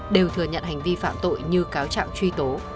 đều thừa nhận hành vi phạm tội như cáo trạng truy tố